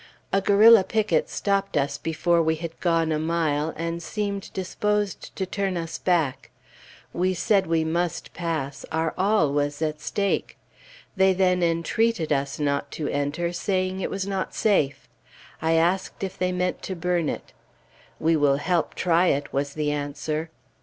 A guerrilla picket stopped us before we had gone a mile, and seemed disposed to turn us back. We said we must pass; our all was at stake. They then entreated us not to enter, saying it was not safe. I asked if they meant to burn it; "We will help try it," was the answer.